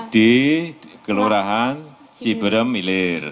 di kelurahan ciberem milir